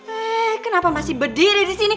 eh kenapa masih berdiri di sini